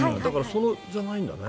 それじゃないんだね。